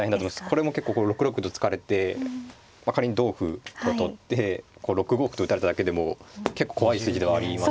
これも結構６六歩と突かれてまあ仮に同歩と取って６五歩と打たれただけでも結構怖い筋ではあります。